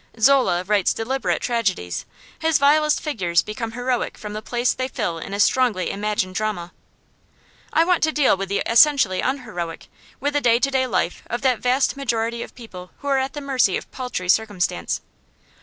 Zola writes deliberate tragedies; his vilest figures become heroic from the place they fill in a strongly imagined drama. I want to deal with the essentially unheroic, with the day to day life of that vast majority of people who are at the mercy of paltry circumstance.